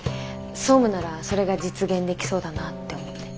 総務ならそれが実現できそうだなって思って。